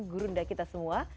gurunda kita semua